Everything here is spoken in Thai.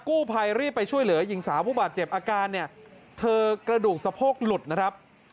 กู้ภัยรีบไปช่วยเหลือหญิงสาวผู้บาดเจ็บอาการเนี่ยเธอกระดูกสะโพกหลุดนะครับ